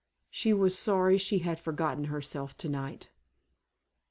She was sorry she had forgotten herself tonight.